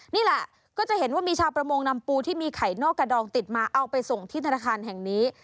นี่แหละก็จะเห็นว่ามีชาวประมงนำปูที่มีไข่นอกกระดองติดมาเอาไปส่งที่ธนาคารแห่งนี้